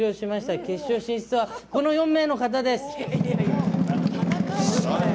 決勝進出は４名の方です。